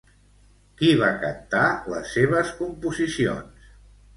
Qui va cantar les seves composicions?